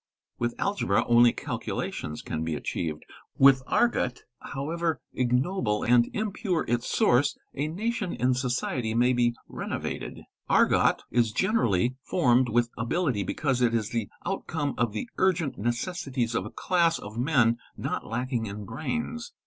With algebra, onh calculations can be achieved; with argot, however ignoble and imp source, a nation and society might be renovated...... Argot is generall formed with ability because it is the outcome of the urgent necessities ¢ a class of men not lacking in brains......